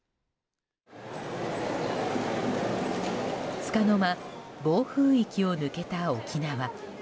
つかの間暴風域を抜けた沖縄。